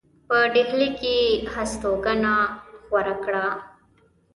په ډهلي کې یې هستوګنه غوره کړه.